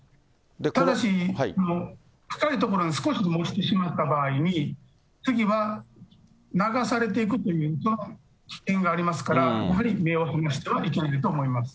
ただし、深い所に少しでも落ちてしまった場合に、次は流されていくという危険がありますから、やはり目を離してはいけないと思います。